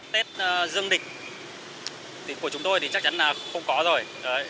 tết dương lịch thì của chúng tôi thì chắc chắn là không có rồi